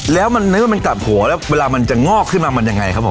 แล้วมันนึกว่ามันกลับหัวแล้วเวลามันจะงอกขึ้นมามันยังไงครับผม